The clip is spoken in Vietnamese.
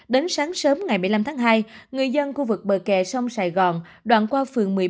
đến sáng sớm ngày một mươi năm tháng hai người dân khu vực bờ kè sông sài gòn đoạn qua phường một mươi bốn